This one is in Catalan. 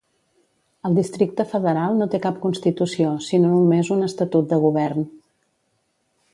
El Districte federal no té cap constitució sinó només un Estatut de govern.